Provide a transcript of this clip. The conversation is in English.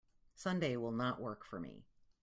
Sunday will not work for me.